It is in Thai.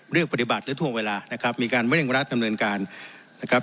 เลือกปฏิบัติได้ทั่วเวลานะครับมีการเร่งรัดดำเนินการนะครับ